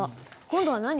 今度は何？